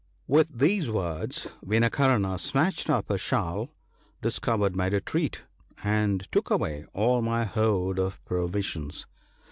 With these words Vinakarna snatched up a shovel, discovered my retreat, and took away all my hoard of provisions.